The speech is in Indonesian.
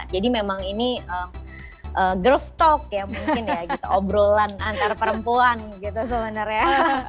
jadi memang ini girls talk ya mungkin ya gitu obrolan antar perempuan gitu sebenarnya